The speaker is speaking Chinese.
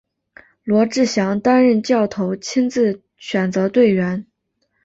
罗志祥担任教头亲自选择队员。